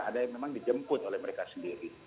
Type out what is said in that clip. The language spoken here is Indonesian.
ada yang memang dijemput oleh mereka sendiri